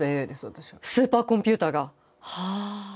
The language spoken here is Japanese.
スーパーコンピューターが。はあ。